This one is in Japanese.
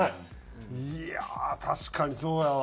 いやあ確かにそうやわ。